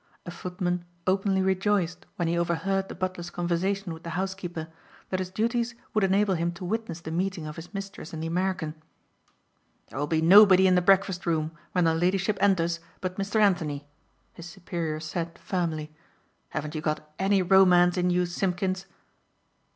A footman openly rejoiced when he overheard the butler's conversation with the housekeeper that his duties would enable him to witness the meeting of his mistress and the American. "There will be nobody in the breakfast room when her ladyship enters but Mr. Anthony," his superior said firmly. "Haven't you got any romance in you, Simpkins?"